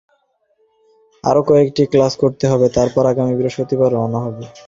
আরও কয়েকটি ক্লাস করতে হবে, তারপর আগামী বৃহস্পতিবার রওনা হব।